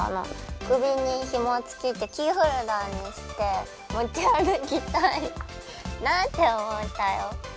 首にひもつけてキーホルダーにして、持ち歩きたいなって思ったよ。